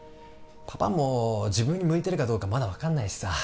パパも自分に向いてるかどうかまだ分かんないしさ